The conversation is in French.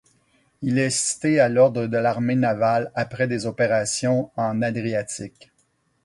Il est cité à l'ordre de l'Armée navale, après des opérations en Adriatique.